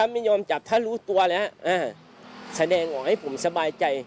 ไม่ยอมจับถ้ารู้ตัวแล้วแสดงออกให้ผมสบายใจ